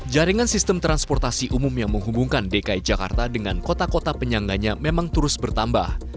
jaringan sistem transportasi umum yang menghubungkan dki jakarta dengan kota kota penyangganya memang terus bertambah